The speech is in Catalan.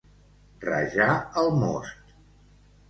Rajar el most.